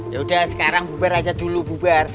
ya udah sekarang bubar aja dulu bubar